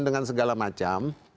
dengan segala macam